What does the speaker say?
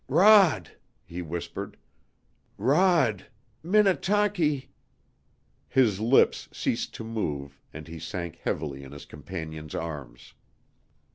"Rod " he whispered, "Rod Minnetaki " His lips ceased to move and he sank heavily in his companion's arms.